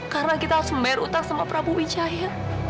karena kita harus membayar hutang sama prabowo wijaya